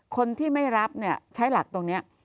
คนที่ไม่รับใช้หลักตรงนี้